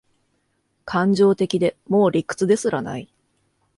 感情的で、もう理屈ですらない